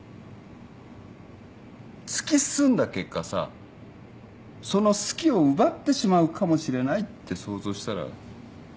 突き進んだ結果さその「好き」を奪ってしまうかもしれないって想像したら。